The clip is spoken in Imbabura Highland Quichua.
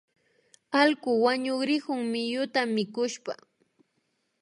Allku wañukrikun miyuta mikushpa